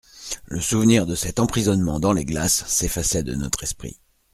Le souvenir de cet emprisonnement dans les glaces s'effaçait de notre esprit.